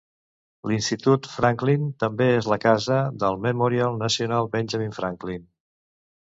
L'Institut Franklin també es la casa del Memorial Nacional Benjamin Franklin.